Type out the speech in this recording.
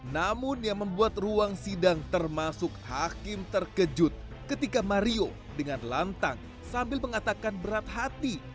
namun yang membuat ruang sidang termasuk hakim terkejut ketika mario dengan lantang sambil mengatakan berat hati